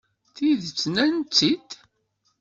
Tidet, nnant-tt-id.